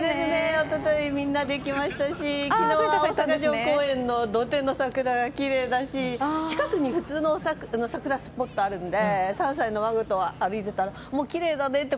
一昨日、みんなで行きましたし昨日は大阪城公園の土手の桜がきれいだし、近くに普通の桜スポットがあるので３歳の孫と歩いていたらきれいだねと。